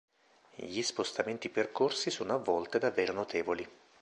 Gli spostamenti percorsi sono a volte davvero notevoli.